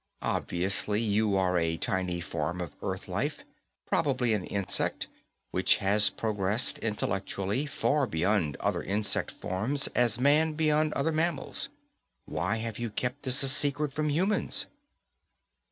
Obviously, you are a tiny form of Earth life, probably an insect, which has progressed intellectually as far beyond other insect forms as man beyond other mammals. Why have you kept this a secret from humans?"